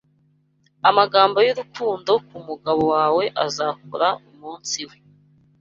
amagambo y'urukundo kumugabo wawe azakora umunsi we